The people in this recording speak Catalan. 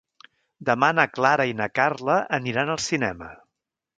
Demà na Clara i na Carla aniran al cinema.